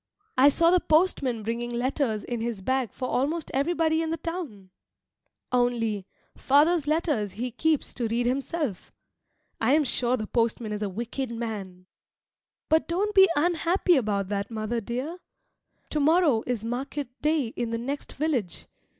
I saw the postman bringing letters in his bag for almost everybody in the town. Only, father's letters he keeps to read himself. I am sure the postman is a wicked man. But don't be unhappy about that, mother dear. To morrow is market day in the next village.